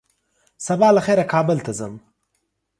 سبا له خيره کابل ته ځم